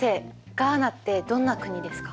ガーナってどんな国ですか？